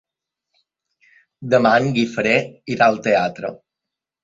Demà en Guifré irà al teatre.